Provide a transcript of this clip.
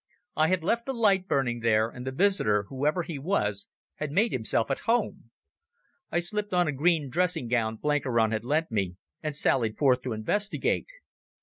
I had left the light burning there, and the visitor, whoever he was, had made himself at home. I slipped on a green dressing gown Blenkiron had lent me, and sallied forth to investigate.